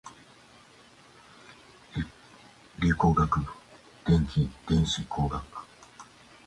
理工学部電気電子工学科